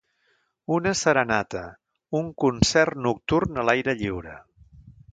Una serenata, un concert nocturn a l'aire lliure.